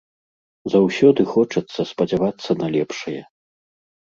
Заўсёды хочацца спадзявацца на лепшае.